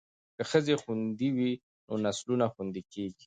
که ښځې خوندي وي نو نسلونه خوندي کیږي.